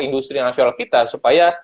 industri nasional kita supaya